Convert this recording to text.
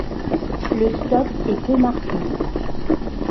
Le stop est peu marqué.